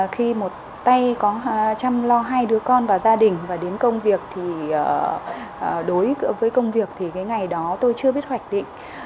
khi một tay có chăm lo hai đứa con và gia đình và đến công việc thì đối với công việc thì cái ngày đó tôi chưa biết hoạch định